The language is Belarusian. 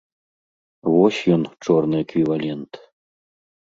Вось ён, чорны эквівалент.